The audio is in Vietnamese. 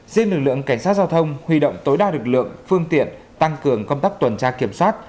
riêng lực lượng cảnh sát giao thông huy động tối đa lực lượng phương tiện tăng cường công tác tuần tra kiểm soát